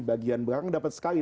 bagian belakang dapat sekali